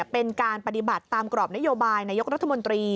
เป็นการปฏิบัติตามกรอบนโยบายนายกรัฐมนตรี